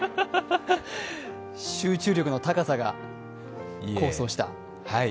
集中力の高さが功を奏した。